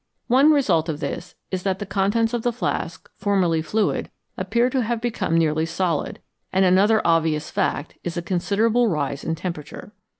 One result of this is that the contents of the flask, formerly fluid, appear to have become nearly solid, and another obvious fact is a con siderable rise in temperature.